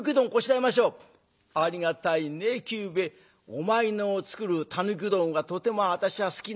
お前の作るたぬきうどんがとても私は好きなんだ。